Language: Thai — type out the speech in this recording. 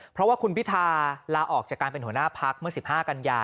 เพราะว่าคุณพิธาลาออกจากการเป็นหัวหน้าพักเมื่อ๑๕กันยา